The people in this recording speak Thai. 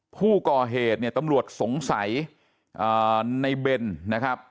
ผู้ก่อเหตุเนี่ยตำรวจสงสัยในเบนนะครับ